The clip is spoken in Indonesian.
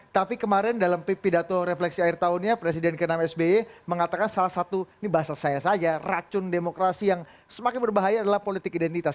tapi kemarin dalam pidato refleksi akhir tahunnya presiden ke enam sby mengatakan salah satu ini bahasa saya saja racun demokrasi yang semakin berbahaya adalah politik identitas